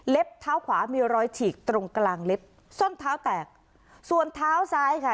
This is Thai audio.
เท้าขวามีรอยฉีกตรงกลางเล็บส้นเท้าแตกส่วนเท้าซ้ายค่ะ